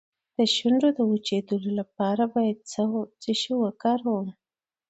د شونډو د وچیدو لپاره باید څه شی وکاروم؟